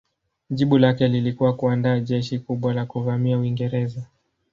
Jibu lake lilikuwa kuandaa jeshi kubwa la kuvamia Uingereza.